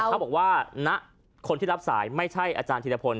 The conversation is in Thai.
แต่เขาบอกว่าคนที่รับสายไม่ใช่อาจารย์ธิพธิภาน